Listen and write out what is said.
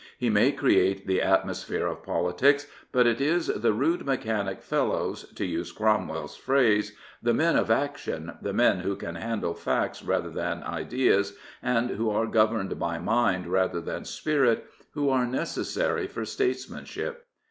He may create the atmo sphere of politics, but it is the "rude mechanic fellows," to use Crom well's phrase, the men of action, the men who can handle facts rather than ideas, and who are governed by mind rather than spirit, who are necessary for statesmanship.